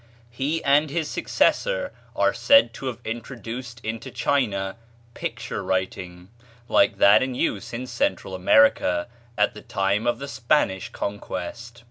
He and his successor are said to have introduced into China 'picture writing,' like that in use in Central America at the time of the Spanish conquest.